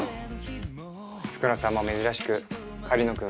福野さんも珍しく「狩野くん